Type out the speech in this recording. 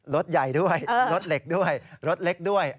รถใหญ่ด้วยรถเหล็กด้วยรถเล็กด้วย